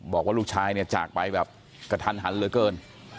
บอกว่าลูกชายเนี่ยจากไปแบบกระทันหันเหลือเกิน